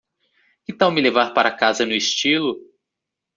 Que tal me levar para casa no estilo?